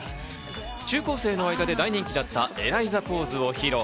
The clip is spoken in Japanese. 中高生の間で大人気だったエライザポーズを披露。